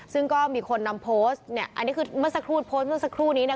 ซึ่งก็มีคนนำโพสต์เนี่ยอันนี้คือเมื่อสักครู่โพสต์เมื่อสักครู่นี้เนี่ย